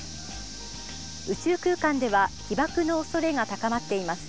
宇宙空間では被ばくのおそれが高まっています。